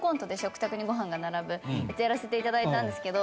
やらせていただいたんですけど。